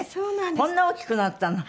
こんな大きくなったの？